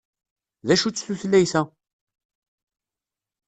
D acu-tt tutlayt-a?